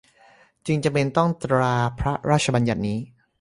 จึงจำเป็นต้องตราพระราชบัญญัตินี้